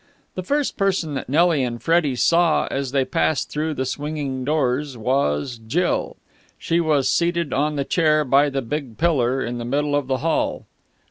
The first person that Nelly and Freddie saw, as they passed through the swing doors, was Jill. She was seated on the chair by the big pillar in the middle of the hall.